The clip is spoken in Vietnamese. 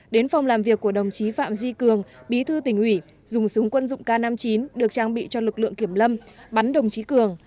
đến phòng làm việc của đồng chí phạm duy cường bí thư tỉnh ủy dùng súng quân dụng k năm mươi chín được trang bị cho lực lượng kiểm lâm bắn đồng chí cường